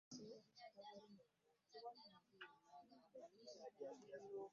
Kyamaze dda okukakasibwa nti owangudde.